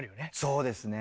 そうですね。